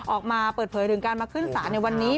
ออกมาเปิดเผยถึงการมาขึ้นศาลในวันนี้